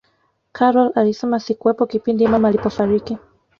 karol alisema sikuwepo kipindi mama alipofariki